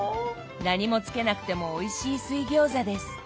何もつけなくてもおいしい水餃子です。